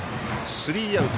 スリーアウト。